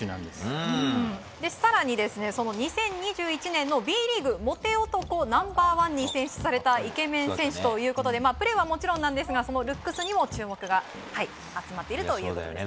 更に、２０２１年のＢリーグモテ男ナンバー１に選出されたイケメン選手ということでプレーはもちろんなんですがそのルックスにも注目が集まっています。